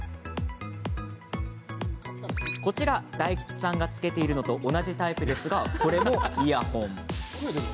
こちら大吉さんがつけてるのと同じタイプですがこれもイヤホン。